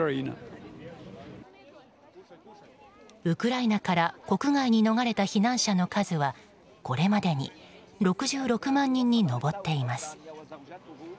ウクライナから国外に逃れた避難者の数はこれまでに６６万人に上っています。